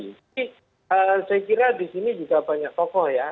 saya kira di sini juga banyak tokoh ya